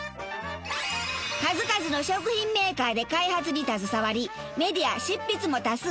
数々の食品メーカーで開発に携わりメディア執筆も多数。